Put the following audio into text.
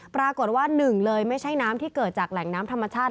ปรากฏว่าหนึ่งเลยไม่ใช่น้ำที่เกิดจากแหล่งน้ำธรรมชาติ